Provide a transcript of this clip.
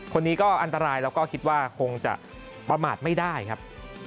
คนนี้ก็อันตรายแล้วก็คิดว่าคงจะประมาทไม่ได้ครับ